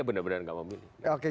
ya benar benar nggak memilih oke